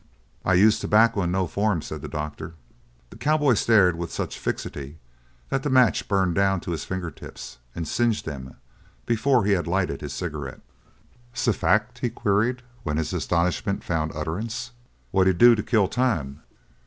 "I use tobacco in no form," said the doctor. The cowboy stared with such fixity that the match burned down to his fingertips and singed them before he had lighted his cigarette. "'S that a fact?" he queried when his astonishment found utterance. "What d'you do to kill time?